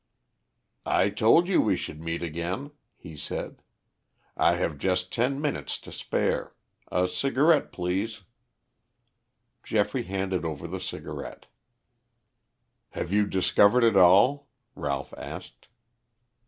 "I told you we should meet again," he said. "I have just ten minutes to spare. A cigarette, please." Geoffrey handed over the cigarette. "Have you discovered it all?" Ralph asked.